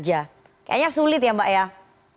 mampu atau tidak menerbitkan perpu cipta ker